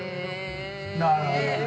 なるほどね。